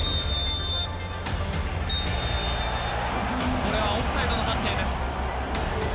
これはオフサイドの判定です。